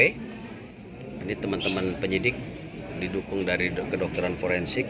ini teman teman penyidik didukung dari kedokteran forensik